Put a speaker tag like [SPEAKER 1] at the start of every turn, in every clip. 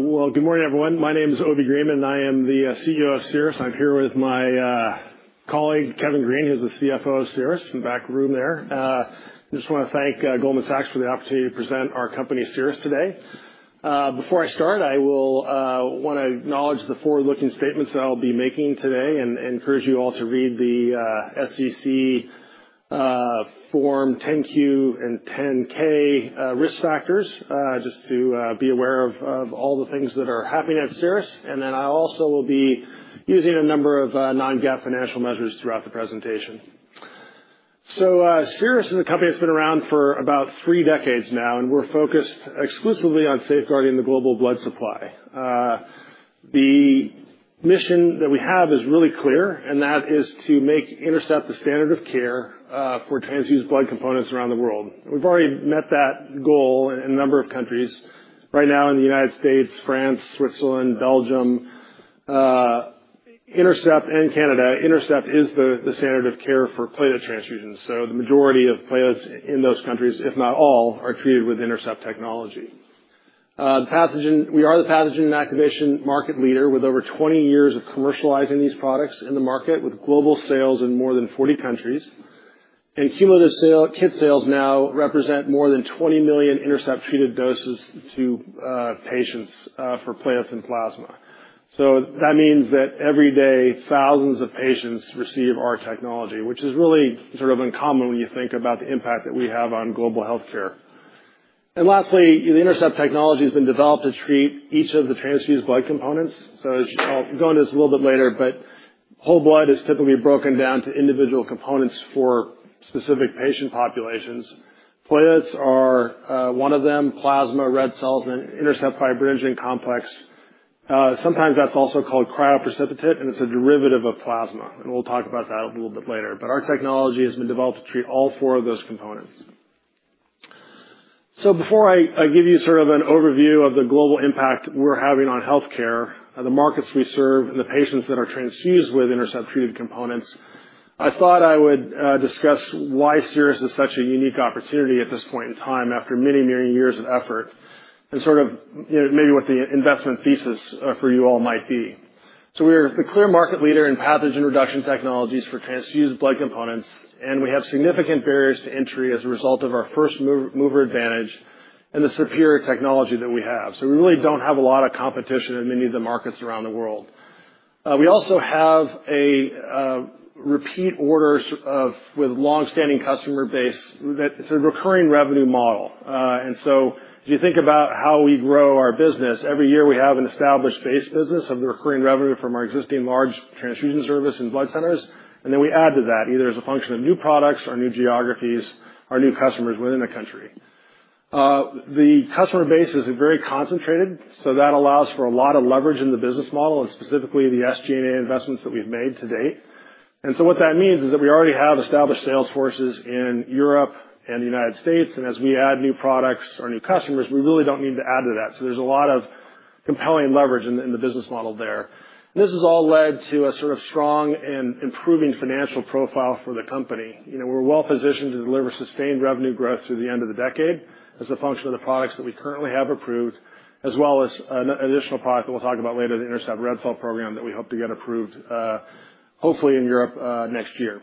[SPEAKER 1] Good morning, everyone. My name is Obi Greenman. I am the CEO of Cerus. I'm here with my colleague, Kevin Green. He's the CFO of Cerus in the back room there. I just want to thank Goldman Sachs for the opportunity to present our company, Cerus, today. Before I start, I want to acknowledge the forward-looking statements that I'll be making today and encourage you all to read the SEC Form 10-Q and 10-K risk factors just to be aware of all the things that are happening at Cerus. I also will be using a number of non-GAAP financial measures throughout the presentation. Cerus is a company that's been around for about three decades now, and we're focused exclusively on safeguarding the global blood supply. The mission that we have is really clear, and that is to INTERCEPT the standard of care for transfused blood components around the world. We've already met that goal in a number of countries. Right now, in the United States, France, Switzerland, Belgium, and Canada, INTERCEPT is the standard of care for platelet transfusions. The majority of platelets in those countries, if not all, are treated with INTERCEPT technology. We are the pathogen inactivation market leader with over 20 years of commercializing these products in the market with global sales in more than 40 countries. Cumulative kit sales now represent more than 20 million INTERCEPT-treated doses to patients for platelets and plasma. That means that every day, thousands of patients receive our technology, which is really sort of uncommon when you think about the impact that we have on global healthcare. Lastly, the INTERCEPT technology has been developed to treat each of the transfused blood components. I'll go into this a little bit later, but whole blood is typically broken down to individual components for specific patient populations. Platelets are one of them: plasma, red cells, and INTERCEPT Fibrinogen Complex. Sometimes that's also called cryoprecipitate, and it's a derivative of plasma. We'll talk about that a little bit later. Our technology has been developed to treat all four of those components. Before I give you sort of an overview of the global impact we're having on healthcare, the markets we serve, and the patients that are transfused with INTERCEPT-treated components, I thought I would discuss why Cerus is such a unique opportunity at this point in time after many, many years of effort and sort of maybe what the investment thesis for you all might be. We are the clear market leader in pathogen reduction technologies for transfused blood components, and we have significant barriers to entry as a result of our first-mover advantage and the superior technology that we have. We really do not have a lot of competition in many of the markets around the world. We also have a repeat order with a long-standing customer base, and it is a recurring revenue model. If you think about how we grow our business, every year we have an established base business of the recurring revenue from our existing large transfusion service and blood centers, and then we add to that either as a function of new products or new geographies or new customers within the country. The customer base is very concentrated, so that allows for a lot of leverage in the business model and specifically the SG&A investments that we've made to date. What that means is that we already have established sales forces in Europe and the United States, and as we add new products or new customers, we really don't need to add to that. There is a lot of compelling leverage in the business model there. This has all led to a sort of strong and improving financial profile for the company. We're well-positioned to deliver sustained revenue growth through the end of the decade as a function of the products that we currently have approved, as well as an additional product that we'll talk about later, the INTERCEPT Red Blood Cells program that we hope to get approved, hopefully in Europe next year.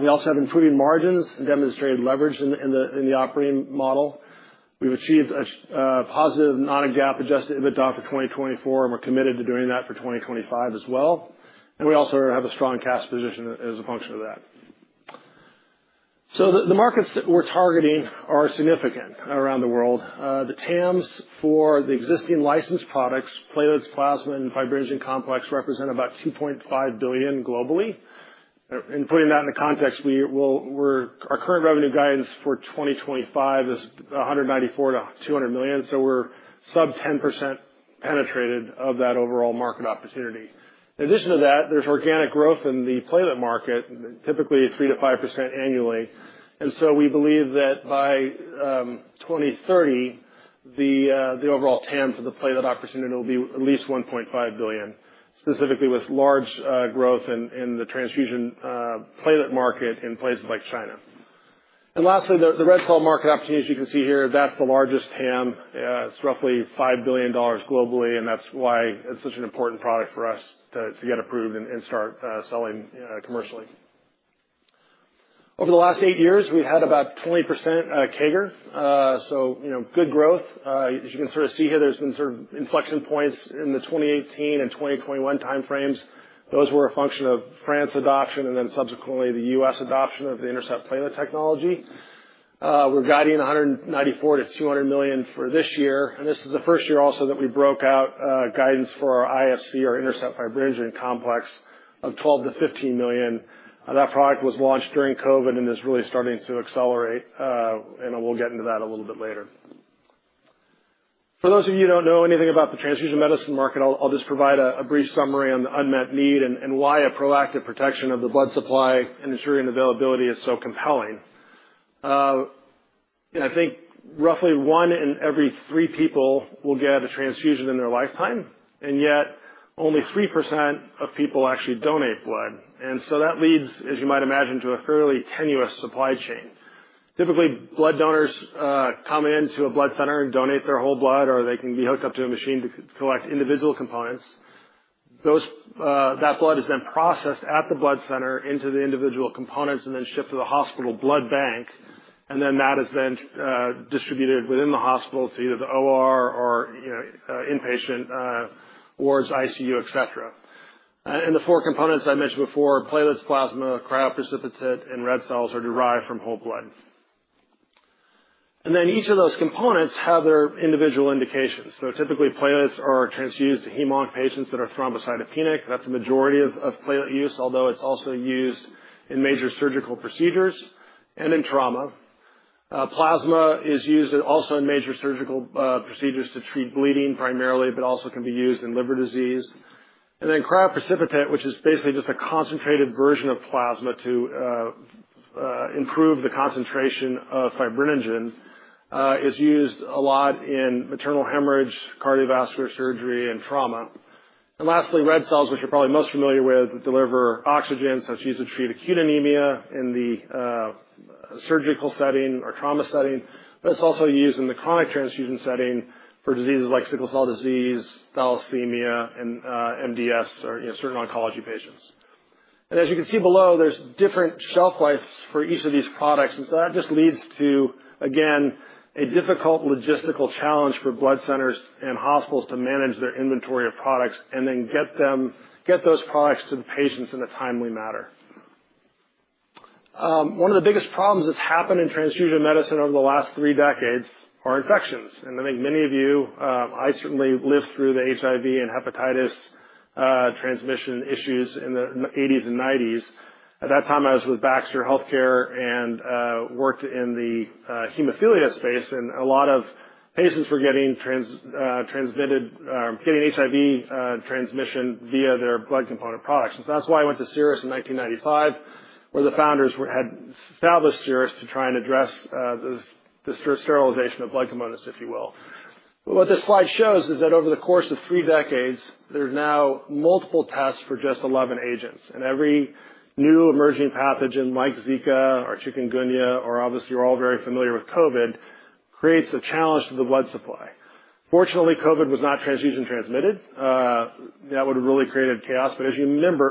[SPEAKER 1] We also have improving margins and demonstrated leverage in the operating model. We've achieved a positive non-GAAP adjusted EBITDA for 2024, and we're committed to doing that for 2025 as well. We also have a strong cash position as a function of that. The markets that we're targeting are significant around the world. The TAMs for the existing licensed products, platelets, plasma, and fibrinogen complex, represent about $2.5 billion globally. Putting that in the context, our current revenue guidance for 2025 is $194 million-$200 million, so we're sub-10% penetrated of that overall market opportunity. In addition to that, there's organic growth in the platelet market, typically 3%-5% annually. We believe that by 2030, the overall TAM for the platelet opportunity will be at least $1.5 billion, specifically with large growth in the transfusion platelet market in places like China. Lastly, the red cell market opportunity, as you can see here, that's the largest TAM. It's roughly $5 billion globally, and that's why it's such an important product for us to get approved and start selling commercially. Over the last eight years, we've had about 20% CAGR, so good growth. As you can sort of see here, there's been sort of inflection points in the 2018 and 2021 time frames. Those were a function of France adoption and then subsequently the U.S. adoption of the INTERCEPT platelet technology. We're guiding $194 million-$200 million for this year. This is the first year also that we broke out guidance for our IFC, our INTERCEPT Fibrinogen Complex, of $12 million-$15 million. That product was launched during COVID and is really starting to accelerate, and we'll get into that a little bit later. For those of you who do not know anything about the transfusion medicine market, I will just provide a brief summary on the unmet need and why a proactive protection of the blood supply and ensuring availability is so compelling. I think roughly one in every three people will get a transfusion in their lifetime, yet only 3% of people actually donate blood. That leads, as you might imagine, to a fairly tenuous supply chain. Typically, blood donors come into a blood center and donate their whole blood, or they can be hooked up to a machine to collect individual components. That blood is then processed at the blood center into the individual components and then shipped to the hospital blood bank, and then that is then distributed within the hospital to either the OR or in-patient wards, ICU, etc. The four components I mentioned before—platelets, plasma, cryoprecipitate, and red cells—are derived from whole blood. Each of those components have their individual indications. Typically, platelets are transfused to hem-onc patients that are thrombocytopenic. That's the majority of platelet use, although it's also used in major surgical procedures and in trauma. Plasma is used also in major surgical procedures to treat bleeding primarily, but also can be used in liver disease. Cryoprecipitate, which is basically just a concentrated version of plasma to improve the concentration of fibrinogen, is used a lot in maternal hemorrhage, cardiovascular surgery, and trauma. Lastly, red cells, which you're probably most familiar with, deliver oxygen, so it's used to treat acute anemia in the surgical setting or trauma setting. It is dused in the chronic transfusion setting for diseases like sickle cell disease, thalassemia, and MDS, or certain oncology patients. As you can see below, there are different shelf lives for each of these products. That just leads to, again, a difficult logistical challenge for blood centers and hospitals to manage their inventory of products and then get those products to the patients in a timely manner. One of the biggest problems that has happened in transfusion medicine over the last three decades is infections. I think many of you—I certainly lived through the HIV and hepatitis transmission issues in the '80s and '90s. At that time, I was with Baxter Healthcare and worked in the hemophilia space, and a lot of patients were getting HIV transmission via their blood component products. That's why I went to Cerus in 1995, where the founders had established Cerus to try and address the sterilization of blood components, if you will. What this slide shows is that over the course of three decades, there are now multiple tests for just 11 agents. Every new emerging pathogen like Zika or chikungunya or, obviously, you're all very familiar with COVID, creates a challenge to the blood supply. Fortunately, COVID was not transfusion transmitted. That would have really created chaos. As you remember,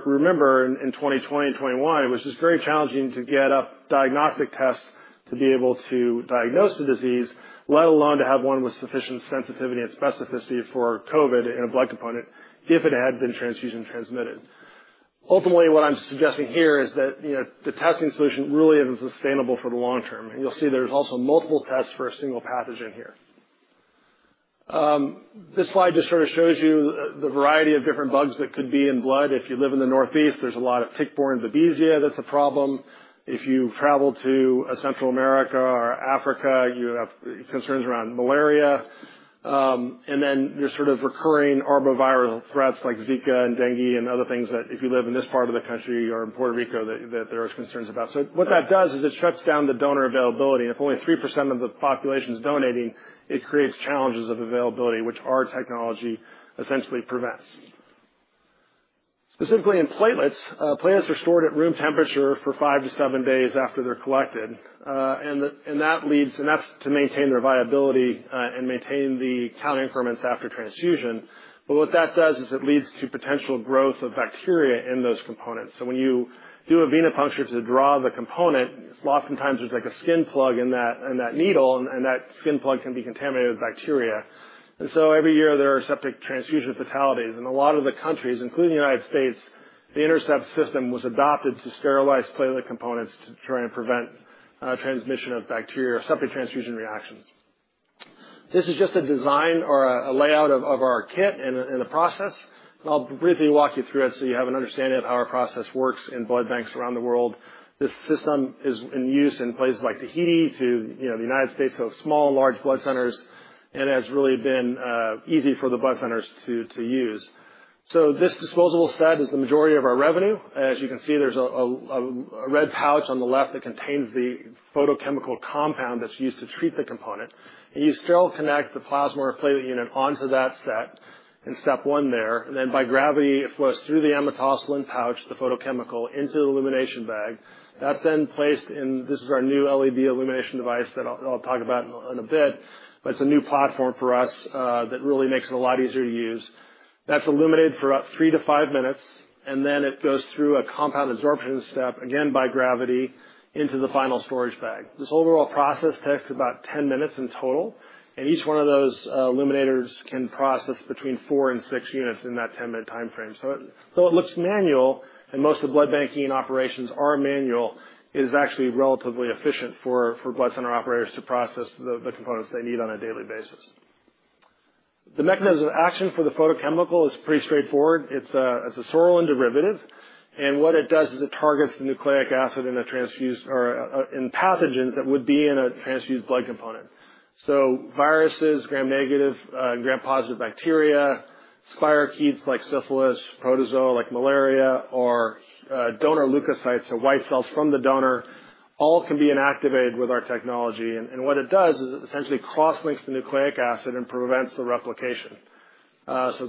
[SPEAKER 1] in 2020 and 2021, it was just very challenging to get up diagnostic tests to be able to diagnose the disease, let alone to have one with sufficient sensitivity and specificity for COVID in a blood component if it had been transfusion transmitted. Ultimately, what I'm suggesting here is that the testing solution really isn't sustainable for the long term. You'll see there's also multiple tests for a single pathogen here. This slide just sort of shows you the variety of different bugs that could be in blood. If you live in the Northeast, there's a lot of tick-borne babesia that's a problem. If you travel to Central America or Africa, you have concerns around malaria. There are recurring arboviral threats like Zika and dengue and other things that, if you live in this part of the country or in Puerto Rico, there are concerns about. What that does is it shuts down the donor availability. If only 3% of the population is donating, it creates challenges of availability, which our technology essentially prevents. Specifically in platelets, platelets are stored at room temperature for five to seven days after they're collected. That is to maintain their viability and maintain the count increments after transfusion. What that does is it leads to potential growth of bacteria in those components. When you do a venipuncture to draw the component, oftentimes there is a skin plug in that needle, and that skin plug can be contaminated with bacteria. Every year, there are septic transfusion fatalities. In a lot of the countries, including the United States, the INTERCEPT system was adopted to sterilize platelet components to try and prevent transmission of bacteria or septic transfusion reactions. This is just a design or a layout of our kit and the process. I will briefly walk you through it so you have an understanding of how our process works in blood banks around the world. This system is in use in places like Tahiti to the United States, small and large blood centers, and has really been easy for the blood centers to use. This disposable set is the majority of our revenue. As you can see, there is a red pouch on the left that contains the photochemical compound that is used to treat the component. You sterile-connect the plasma or platelet unit onto that set in step one there. By gravity, it flows through the amotosalen pouch, the photochemical, into the illumination bag. That is then placed in—this is our new LED illumination device that I will talk about in a bit, but it is a new platform for us that really makes it a lot easier to use. That's illuminated for about three to five minutes, and then it goes through a compound absorption step, again by gravity, into the final storage bag. This overall process takes about 10 minutes in total, and each one of those illuminators can process between four and six units in that 10-minute time frame. Though it looks manual, and most of the blood banking operations are manual, it is actually relatively efficient for blood center operators to process the components they need on a daily basis. The mechanism of action for the photochemical is pretty straightforward. It's a sorrel and derivative. What it does is it targets the nucleic acid in the transfusion or in pathogens that would be in a transfused blood component. Viruses, gram-negative and gram-positive bacteria, spirochetes like syphilis, protozoa like malaria, or donor leukocytes, so white cells from the donor, all can be inactivated with our technology. What it does is it essentially cross-links the nucleic acid and prevents the replication.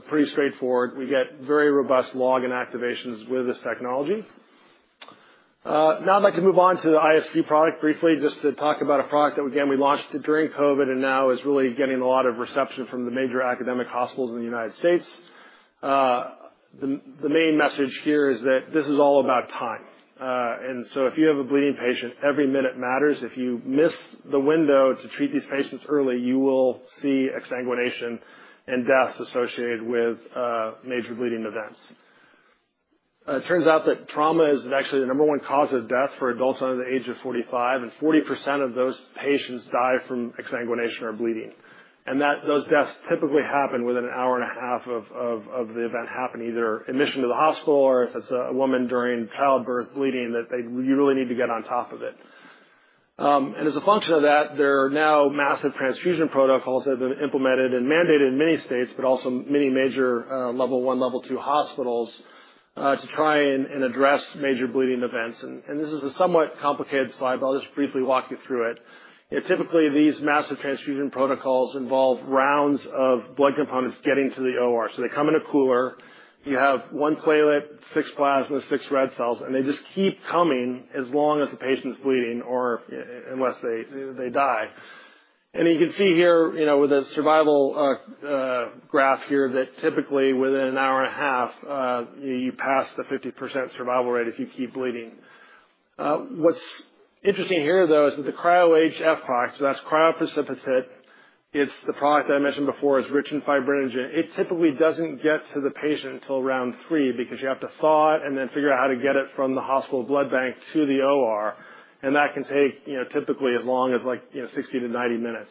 [SPEAKER 1] Pretty straightforward. We get very robust log inactivations with this technology. Now I'd like to move on to the IFC product briefly, just to talk about a product that, again, we launched during COVID and now is really getting a lot of reception from the major academic hospitals in the United States. The main message here is that this is all about time. If you have a bleeding patient, every minute matters. If you miss the window to treat these patients early, you will see exsanguination and deaths associated with major bleeding events. It turns out that trauma is actually the number one cause of death for adults under the age of 45, and 40% of those patients die from exsanguination or bleeding. Those deaths typically happen within an hour and a half of the event happening, either admission to the hospital or if it's a woman during childbirth bleeding that you really need to get on top of it. As a function of that, there are now massive transfusion protocols that have been implemented and mandated in many states, but also many major level one, level two hospitals to try and address major bleeding events. This is a somewhat complicated slide, but I'll just briefly walk you through it. Typically, these massive transfusion protocols involve rounds of blood components getting to the OR. They come in a cooler. You have one platelet, six plasma, six red cells, and they just keep coming as long as the patient's bleeding or unless they die. You can see here with the survival graph here that typically within an hour and a half, you pass the 50% survival rate if you keep bleeding. What's interesting here, though, is that the cryo HF product, so that's cryoprecipitate, it's the product that I mentioned before is rich in fibrinogen. It typically doesn't get to the patient until round three because you have to thaw it and then figure out how to get it from the hospital blood bank to the OR. That can take typically as long as 60-90 minutes.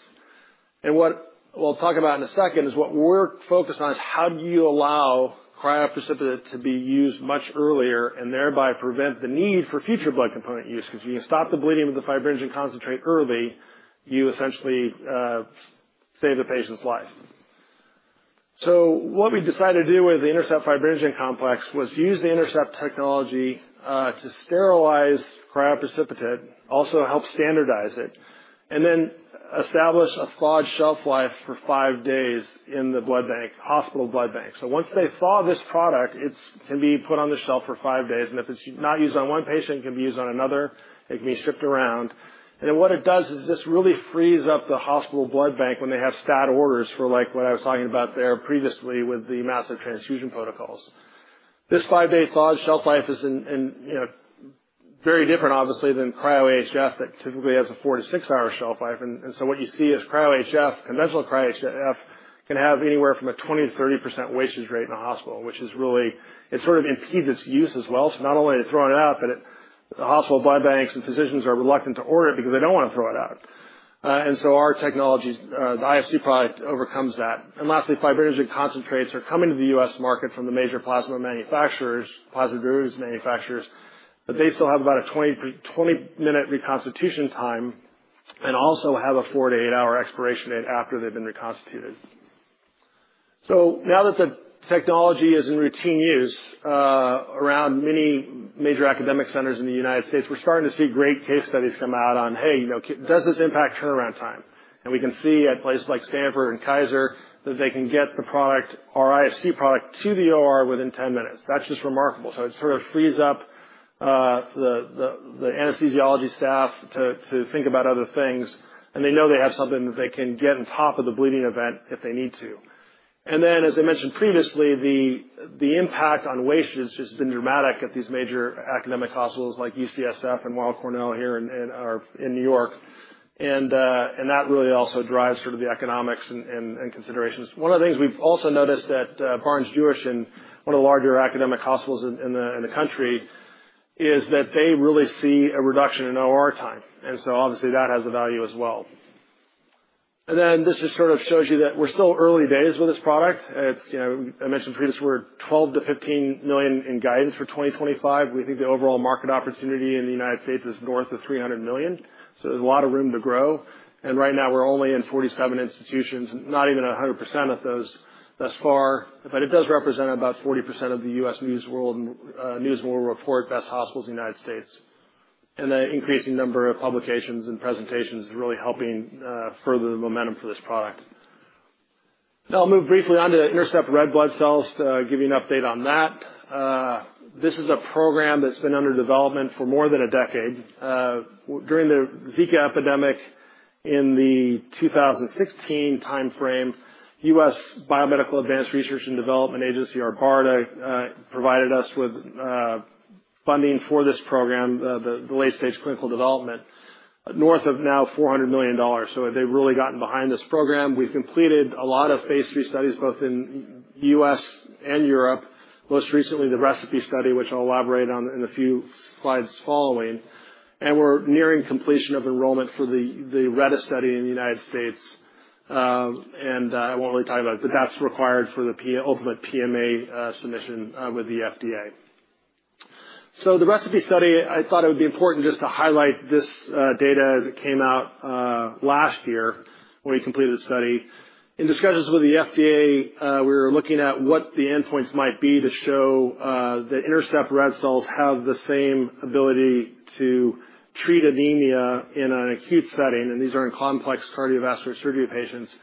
[SPEAKER 1] What we'll talk about in a second is what we're focused on is how do you allow cryoprecipitate to be used much earlier and thereby prevent the need for future blood component use? Because if you can stop the bleeding with the fibrinogen concentrate early, you essentially save the patient's life. What we decided to do with the INTERCEPT Fibrinogen Complex was use the INTERCEPT technology to sterilize cryoprecipitate, also help standardize it, and then establish a thawed shelf life for five days in the hospital blood bank. Once they thaw this product, it can be put on the shelf for five days. If it's not used on one patient, it can be used on another. It can be shipped around. What it does is just really frees up the hospital blood bank when they have stat orders for what I was talking about there previously with the massive transfusion protocols. This five-day thawed shelf life is very different, obviously, than cryo HF that typically has a four to six-hour shelf life. What you see is cryo HF, conventional cryo HF, can have anywhere from a 20-30% wastage rate in a hospital, which is really it sort of impedes its use as well. Not only are they throwing it out, but the hospital blood banks and physicians are reluctant to order it because they do not want to throw it out. Our technology, the IFC product, overcomes that. Lastly, fibrinogen concentrates are coming to the U.S. market from the major plasma manufacturers, plasma derivatives manufacturers, but they still have about a 20-minute reconstitution time and also have a four- to eight-hour expiration date after they've been reconstituted. Now that the technology is in routine use around many major academic centers in the United States, we're starting to see great case studies come out on, "Hey, does this impact turnaround time?" We can see at places like Stanford and Kaiser that they can get the product or IFC product to the OR within 10 minutes. That's just remarkable. It sort of frees up the anesthesiology staff to think about other things. They know they have something that they can get on top of the bleeding event if they need to. As I mentioned previously, the impact on wastage has just been dramatic at these major academic hospitals like UCSF and Weill Cornell here in New York. That really also drives sort of the economics and considerations. One of the things we've also noticed at Barnes-Jewish and one of the larger academic hospitals in the country is that they really see a reduction in OR time. Obviously, that has a value as well. This just sort of shows you that we're still early days with this product. I mentioned previously, we're $12 million-$15 million in guidance for 2025. We think the overall market opportunity in the United States is north of $300 million. There is a lot of room to grow. Right now, we're only in 47 institutions, not even 100% of those thus far. It does represent about 40% of the U.S. News World Report best hospitals in the United States. The increasing number of publications and presentations is really helping further the momentum for this product. Now I'll move briefly on to INTERCEPT red blood cells, give you an update on that. This is a program that's been under development for more than a decade. During the Zika epidemic in the 2016 time frame, U,.S. Biomedical Advanced Research and Development Authority, our BARDA, provided us with funding for this program, the late-stage clinical development, north of now $400 million. They've really gotten behind this program. We've completed a lot of phase III studies, both in the U.S. and Europe, most recently the RECIPE study, which I'll elaborate on in a few slides following. We're nearing completion of enrollment for the RETA study in the United States. I won't really talk about it, but that's required for the ultimate PMA submission with the FDA. The RECIPE study, I thought it would be important just to highlight this data as it came out last year when we completed the study. In discussions with the FDA, we were looking at what the endpoints might be to show that INTERCEPT red cells have the same ability to treat anemia in an acute setting. These are in complex cardiovascular surgery patients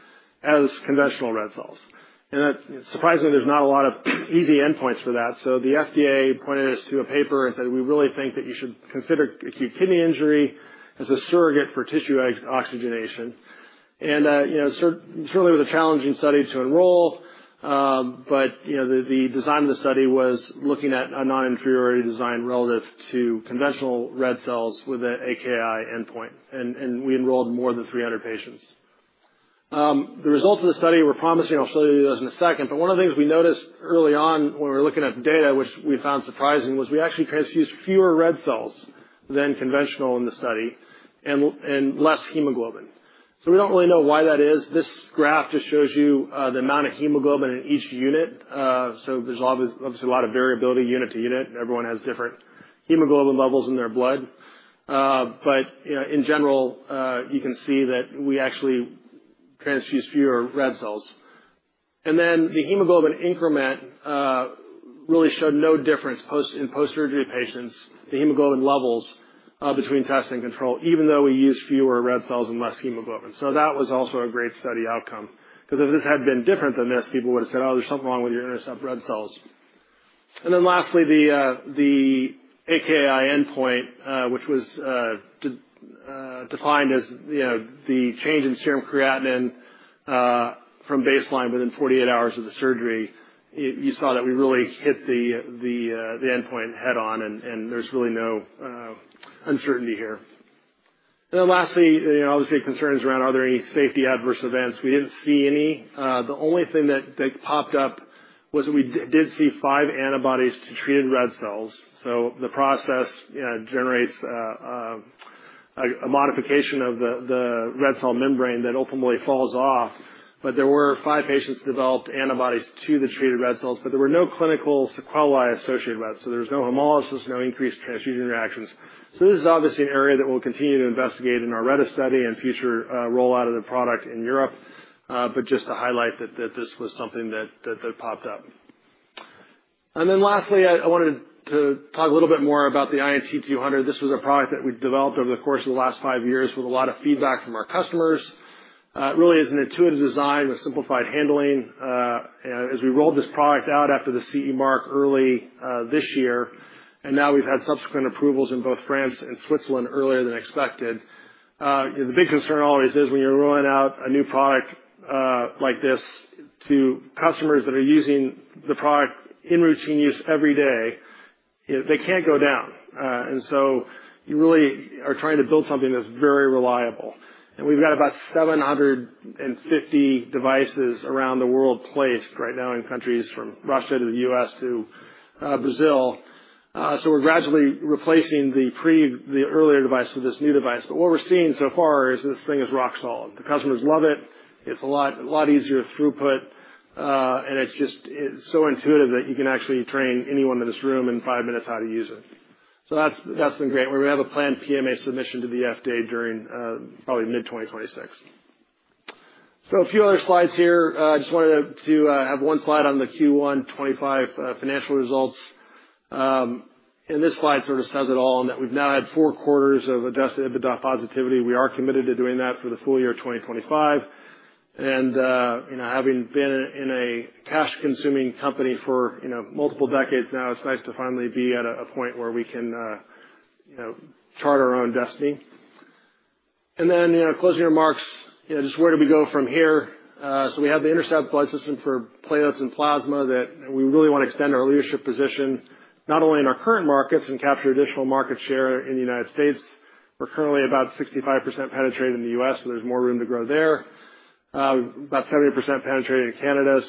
[SPEAKER 1] as conventional red cells. Surprisingly, there's not a lot of easy endpoints for that. The FDA pointed us to a paper and said, "We really think that you should consider acute kidney injury as a surrogate for tissue oxygenation." Certainly, it was a challenging study to enroll, but the design of the study was looking at a non-inferiority design relative to conventional red cells with an AKI endpoint. We enrolled more than 300 patients. The results of the study were promising. I'll show you those in a second. One of the things we noticed early on when we were looking at the data, which we found surprising, was we actually transfused fewer red cells than conventional in the study and less hemoglobin. We do not really know why that is. This graph just shows you the amount of hemoglobin in each unit. There is obviously a lot of variability unit to unit. Everyone has different hemoglobin levels in their blood. In general, you can see that we actually transfused fewer red cells. The hemoglobin increment really showed no difference in post-surgery patients, the hemoglobin levels between test and control, even though we used fewer red cells and less hemoglobin. That was also a great study outcome. If this had been different than this, people would have said, "Oh, there's something wrong with your INTERCEPT red cells." Lastly, the AKI endpoint, which was defined as the change in serum creatinine from baseline within 48 hours of the surgery, you saw that we really hit the endpoint head-on, and there's really no uncertainty here. Lastly, obviously, concerns around, are there any safety adverse events? We did not see any. The only thing that popped up was that we did see five antibodies to treated red cells. The process generates a modification of the red cell membrane that ultimately falls off. There were five patients who developed antibodies to the treated red cells, but there were no clinical sequelae associated with that. There was no hemolysis, no increased transfusion reactions. This is obviously an area that we'll continue to investigate in our RETA study and future rollout of the product in Europe, but just to highlight that this was something that popped up. Lastly, I wanted to talk a little bit more about the INT200. This was a product that we developed over the course of the last five years with a lot of feedback from our customers. It really is an intuitive design with simplified handling. As we rolled this product out after the CE mark early this year, and now we've had subsequent approvals in both France and Switzerland earlier than expected. The big concern always is when you're rolling out a new product like this to customers that are using the product in routine use every day, they can't go down. You really are trying to build something that's very reliable. We've got about 750 devices around the world placed right now in countries from Russia to the U.S. to Brazil. We're gradually replacing the earlier device with this new device. What we're seeing so far is this thing is rock solid. The customers love it. It's a lot easier throughput, and it's just so intuitive that you can actually train anyone in this room in five minutes how to use it. That's been great. We have a planned PMA submission to the FDA during probably mid-2026. A few other slides here. I just wanted to have one slide on the Q1 2025 financial results. This slide sort of says it all in that we've now had four quarters of adjusted EBITDA positivity. We are committed to doing that for the full year of 2025. Having been in a cash-consuming company for multiple decades now, it's nice to finally be at a point where we can chart our own destiny. Closing remarks, just where do we go from here? We have the INTERCEPT Blood System for platelets and plasma that we really want to extend our leadership position, not only in our current markets and capture additional market share in the United States. We're currently about 65% penetrated in the US, so there's more room to grow there. About 70% penetrated in Canada.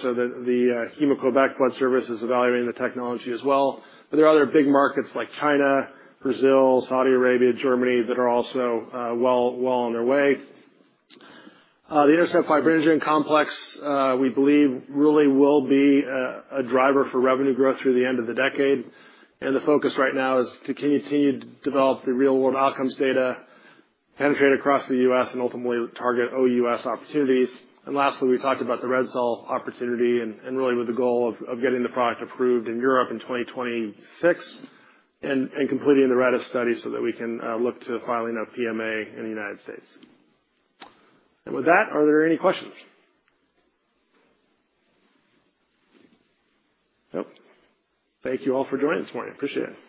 [SPEAKER 1] The Héma-Québec blood service is evaluating the technology as well. There are other big markets like China, Brazil, Saudi Arabia, Germany that are also well on their way. The INTERCEPT Fibrinogen Complex, we believe, really will be a driver for revenue growth through the end of the decade. The focus right now is to continue to develop the real-world outcomes data, penetrate across the U.S., and ultimately target OUS opportunities. Lastly, we talked about the red cell opportunity and really with the goal of getting the product approved in Europe in 2026 and completing the RETA study so that we can look to filing a PMA in the United States. With that, are there any questions? Nope. Thank you all for joining this morning. Appreciate it.